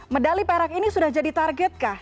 medali perak ini sudah jadi target kah